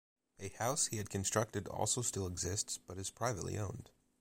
A house he had constructed also still exists but is privately owned.